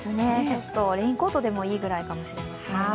レインコートでもいいぐらいかもしれません。